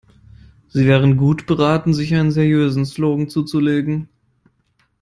Sie wären gut beraten, sich einen seriöseren Slogan zuzulegen.